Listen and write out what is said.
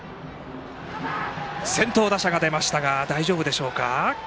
先頭打者が出ましたが大丈夫でしょうか。